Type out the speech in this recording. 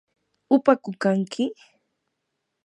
¿upaku kanki?